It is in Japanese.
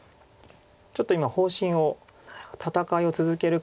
ちょっと今方針を戦いを続けるか。